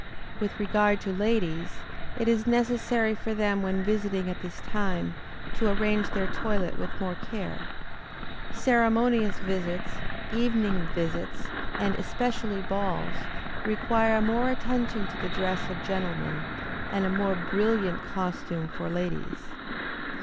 With regard to ladies, it is necessary for them when visiting at this time, to arrange their toilet with more care. Ceremonious visits, evening visits, and especially balls, require more attention to the dress of gentlemen, and a more brilliant costume for ladies.